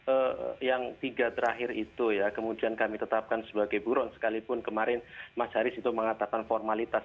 ya yang tiga terakhir itu ya kemudian kami tetapkan sebagai buron sekalipun kemarin mas haris itu mengatakan formalitas